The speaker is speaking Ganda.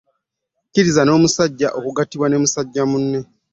Kizira n'omusajja okugattibwa ne musajja munne .